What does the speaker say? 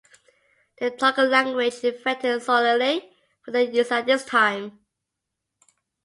They talk a language invented solely for their use at this time.